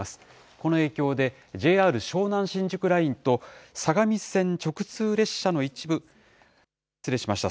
この影響で、ＪＲ湘南新宿ラインと相模線直通列車の一部、失礼しました。